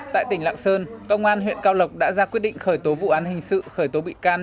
tại tỉnh lạng sơn công an huyện cao lộc đã ra quyết định khởi tố vụ án hình sự khởi tố bị can